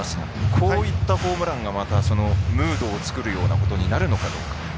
こういったホームランがまたムードを作るようなことになるのかどうか。